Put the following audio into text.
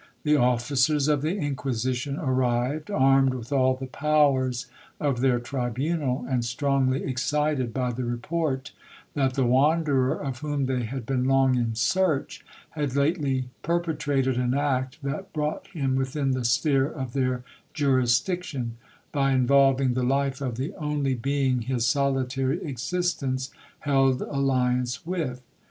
The officers of the Inquisition arrived, armed with all the powers of their tribunal, and strongly excited by the report, that the Wanderer of whom they had been long in search, had lately perpetrated an act that brought him within the sphere of their jurisdiction, by involving the life of the only being his solitary existence held alliance with.